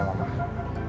tolong jauhin keluarga dina